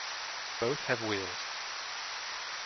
Both have wheels.